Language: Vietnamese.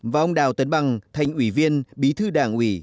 và ông đào tấn bằng thành ủy viên bí thư đảng ủy